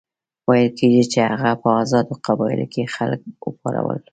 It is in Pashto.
ویل کېږي چې هغه په آزادو قبایلو کې خلک وپارول.